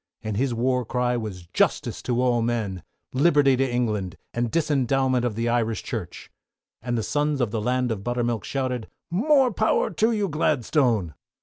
And his war cry was "Justice to all men," "Liberty to Ireland," and "Disendowment of the Irish Church." And the sons of the Land of Buttermilk, shouted, "More power to you, Gladstone!"